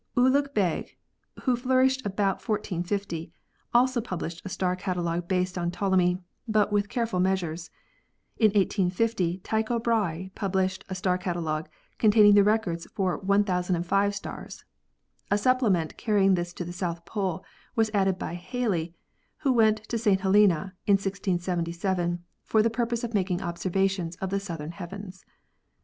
Ulugh Begh, who flourished about 1450, also published a star catalogue based on Ptolemy, but with careful measures. In 1580 Tycho Brahe published a star catalogue containing the records for 1,005 stars. A supplement carrying this to the South Pole was added by Halley, who went to St. Helena in 1677 for the purpose of making observations of the southern heavens.